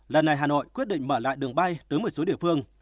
lần này hà nội quyết định mở lại đường bay tới một số địa phương